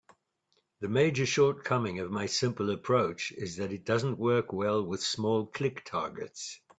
The major shortcoming of my simple approach is that it doesn't work well with small click targets.